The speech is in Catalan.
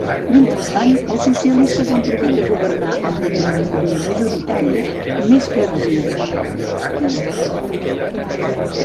Mentrestant, els socialistes han provat de governar amb una minoria majoritària més que exigua.